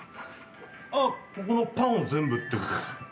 あっここのパンを全部ってことですか？